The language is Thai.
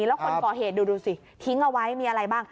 แล้วคนก่อเหตุดูสิทิ้งเอาไว้มีอะไรบ้าง